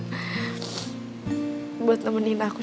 saya ingin mengyokpet independence terhadap dua puluh tiga stops